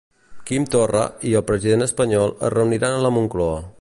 Quim Torra i el president espanyol es reuniran a la Moncloa